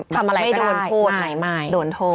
ทำอะไรไปได้ไม่โดนโทษ